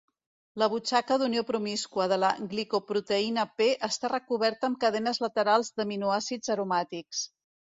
La butxaca d'unió promíscua de la glicoproteïna P està recoberta amb cadenes laterals d'aminoàcids aromàtics.